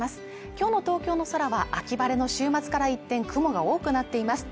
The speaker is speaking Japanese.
今日の東京の空は秋晴れの週末から一転雲が多くなっています